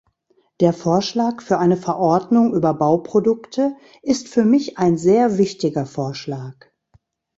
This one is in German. Der Vorschlag für eine Verordnung über Bauprodukte ist für mich ein sehr wichtiger Vorschlag.